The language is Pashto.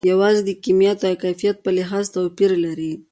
یوازې د کمیت او کیفیت په لحاظ توپیر لري.